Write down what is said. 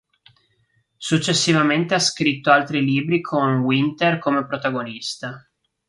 Successivamente ha scritto altri libri con Winter come protagonista.